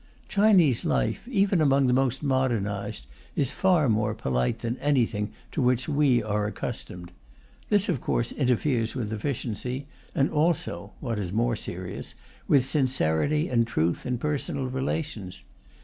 Chinese life, even among the most modernized, is far more polite than anything to which we are accustomed. This, of course, interferes with efficiency, and also (what is more serious) with sincerity and truth in personal relations.